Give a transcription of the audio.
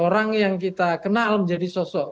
jadi orang yang kita kenal menjadi sosok